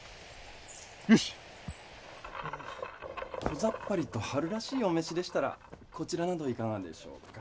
こざっぱりと春らしいお召しでしたらこちらなどいかがでしょうか。